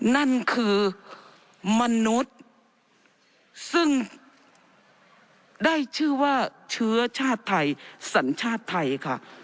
นั่นคือมนุษย์ซึ่งได้ชื่อว่าเชื้อชาติไทยสัญชาติไทยค่ะ